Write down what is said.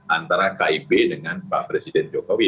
antara kib dengan pak presiden jokowi